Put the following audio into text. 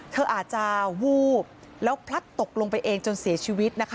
เธออาจจะวูบแล้วพลัดตกลงไปเองจนเสียชีวิตนะคะ